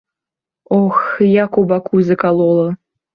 Ох, як у баку закалола.